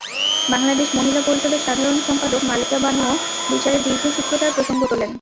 বাংলাদেশ মহিলা পরিষদের সাধারণ সম্পাদক মালেকা বানুও বিচারে দীর্ঘসূত্রতার প্রসঙ্গ তোলেন।